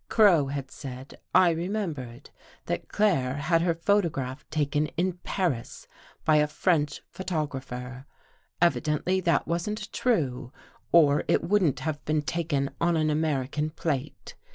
Crow had said, I remembered, that Claire had her photograph taken in Paris by a French I photographer. Evidently that wasn't true, or it wouldn't have been taken on an American plate.